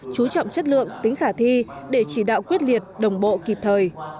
chú trọng chất lượng tính khả thi để chỉ đạo quyết liệt đồng bộ kịp thời